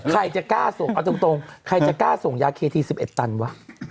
ใครจะกล้าส่งเอาตรงใครจะกล้าส่งยาเคที๑๑ตันวะ